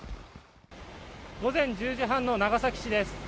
午前１０時半の長崎市です。